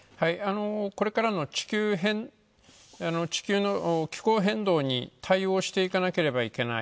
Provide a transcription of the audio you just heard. これからの地球の気候変動に対応していかなければならない。